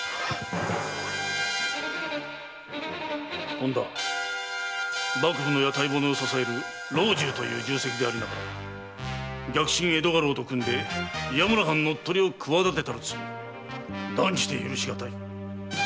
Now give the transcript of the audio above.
本多幕府の屋台骨を支える老中という重責でありながら逆臣江戸家老と組んで岩村藩乗っ取りを企てたる罪断じて許しがたい。